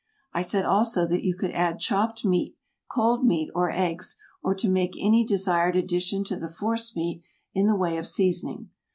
I said also that you could add chopped meat, cold meat or eggs, or to make any desired addition to the force meat in the way of seasoning.